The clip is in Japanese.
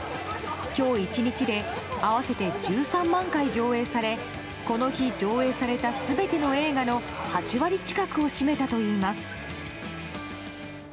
今日１日で合わせて１３万回上映されこの日、上映された全ての映画の８割近くを占めたといいます。